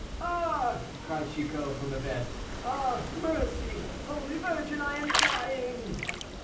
"Ah!" cried Chicot, from the bed, "Ah! mercy! Holy Virgin! I am dying!"